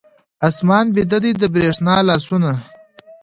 آسمان بیده دی، د بریښنا لاسونه